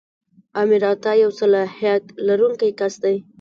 آمر اعطا یو صلاحیت لرونکی کس دی.